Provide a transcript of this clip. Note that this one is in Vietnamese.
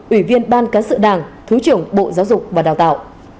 ủy viên ban cán sự đảng thứ trưởng bộ giáo dục và đào tạo